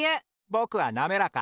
ぼくはなめらか！